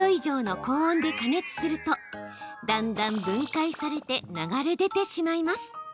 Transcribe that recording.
ペクチンは８０度以上の高温で加熱するとだんだん分解されて流れ出てしまいます。